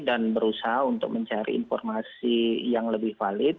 dan berusaha untuk mencari informasi yang lebih valid